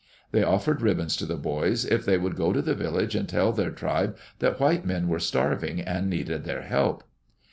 They offered ribbons to the boys if they would go to the village and tell their tribe that white men were starving and needed their help.